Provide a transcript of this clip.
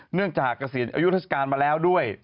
เนื่องจากกระสิทธิ์อายุทศการมาแล้วด้วย